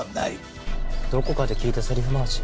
どこかで聞いたセリフ回し。